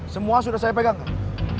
semua sudah saya pegang kang